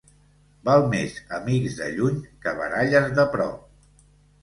Val més amics de lluny que baralles de prop.